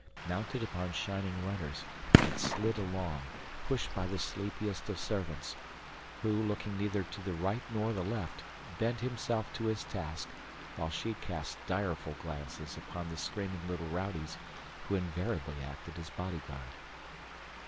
Mounted upon shining runners, it slid along, pushed by the sleepiest of servants, who, looking neither to the right nor the left, bent himself to his task while she cast direful glances upon the screaming little rowdies who invariably acted as bodyguard.